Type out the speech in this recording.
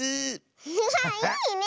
アハハいいね